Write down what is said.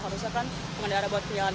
harusnya kan pengendara buat penyelam kaki